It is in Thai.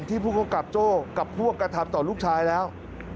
ที่พุทธกรรมกับโจ้กับพวกกระทำต่อลูกชายแล้ว